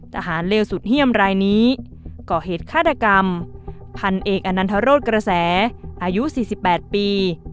เลวสุดเยี่ยมรายนี้ก่อเหตุฆาตกรรมพันเอกอนันทรศกระแสอายุ๔๘ปี